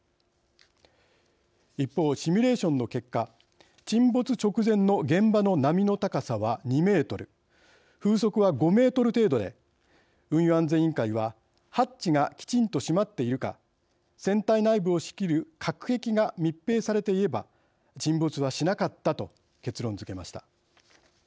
一方、シミュレーションの結果沈没直前の現場の波の高さは２メートル風速は５メートル程度で運輸安全委員会はハッチがきちんと閉まっているか船体内部を仕切る隔壁が密閉されていれば沈没はしなかったと結論づけました。